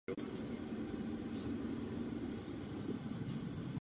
Vítězná vojska Tatarů mohla dále pokračovat na Krym a následovně na Ukrajinu.